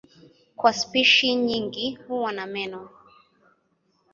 Kwa spishi nyingi huwa na meno.